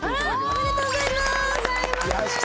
おめでとうございます！